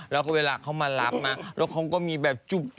แล้วก็เวลาเขามารับมาแล้วเขาก็มีแบบจุ๊บ